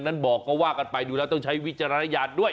นั้นบอกก็ว่ากันไปดูแล้วต้องใช้วิจารณญาณด้วย